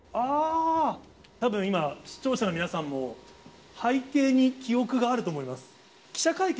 あー、たぶん今、視聴者の皆さんも、背景に記憶があると思います。